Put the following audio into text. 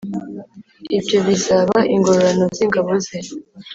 ibyo bizaba ingororano z ingabo ze